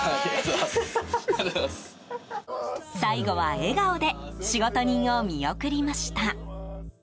最後は笑顔で仕事人を見送りました。